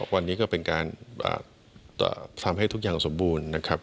วันนี้ก็เป็นการทำให้ทุกอย่างสมบูรณ์นะครับ